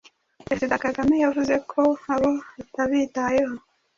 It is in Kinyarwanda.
Perezida Kagame yavuze ko abo atabitayeho